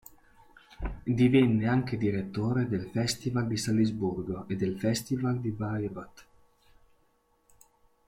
Divenne anche direttore del Festival di Salisburgo e del Festival di Bayreuth.